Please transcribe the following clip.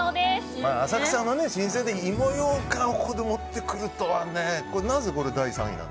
浅草の老舗で、芋ようかんをここで持ってくるとはね。